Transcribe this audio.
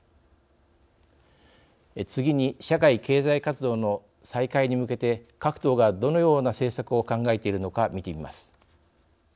次に社会経済活動の再開に向けて各党がどのような政策を考えているのか見てみます。